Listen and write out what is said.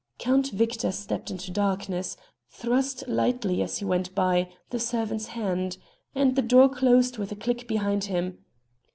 Count Victor stepped into darkness, thrust lightly as he went by the servant's hand, and the door closed with a click behind him.